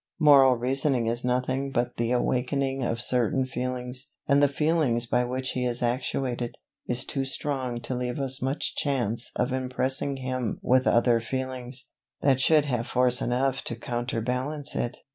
Moral reasoning is nothing but the awakening of certain feelings: and the feeling by which he is actuated, is too strong to leave us much chance of impressing him with other feelings, that should have force enough to counterbalance it.